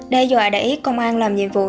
đe dọa đẩy công an làm nhiệm vụ